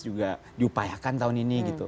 juga diupayakan tahun ini